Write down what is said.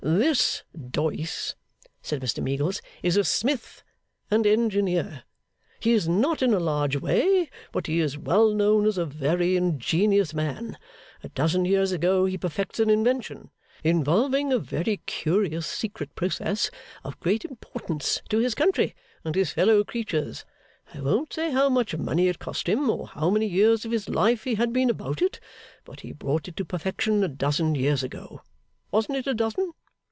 'This Doyce,' said Mr Meagles, 'is a smith and engineer. He is not in a large way, but he is well known as a very ingenious man. A dozen years ago, he perfects an invention (involving a very curious secret process) of great importance to his country and his fellow creatures. I won't say how much money it cost him, or how many years of his life he had been about it, but he brought it to perfection a dozen years ago. Wasn't it a dozen?